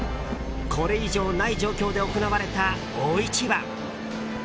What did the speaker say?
これ以上ない状況で行われた大一番。